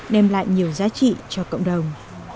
đem lại nhiều giá trị cho cộng đồng